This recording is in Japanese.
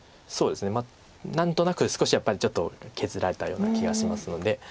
何となく少しやっぱりちょっと削られたような気がしますので。